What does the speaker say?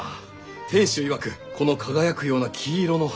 店主いわくこの輝くような黄色の花